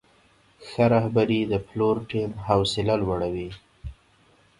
ښه رهبري د پلور ټیم حوصله لوړوي.